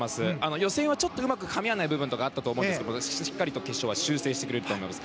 予選はちょっとうまくかみ合わない部分があったんですがしっかりと決勝は修正してくれると思います。